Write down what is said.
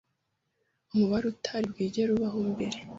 umubare utari bwigere ubaho mbere